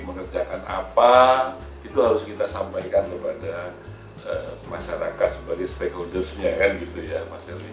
mengerjakan apa itu harus kita sampaikan kepada masyarakat sebagai stakeholdersnya kan gitu ya mas helly